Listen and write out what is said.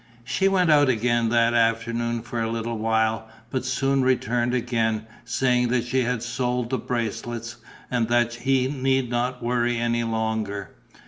She went out again that afternoon for a little while, but soon returned again, saying that she had sold the bracelets and that he need not worry any longer.